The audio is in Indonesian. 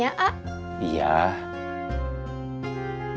aman itulah hujan semau